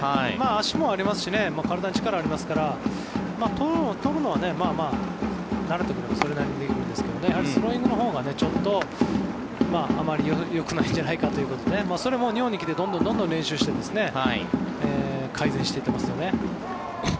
足もありますし体に力がありますからとるのは、まあまあ慣れてくればそれなりにできてくるんですけどあのスローイングのほうがちょっと、あまりよくないんじゃないかということでそれも日本に来てどんどん練習して改善していってますよね。